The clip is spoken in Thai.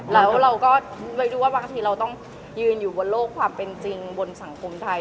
แล้วเราก็ไม่รู้ว่าบางทีเราต้องยืนอยู่บนโลกความเป็นจริงบนสังคมไทย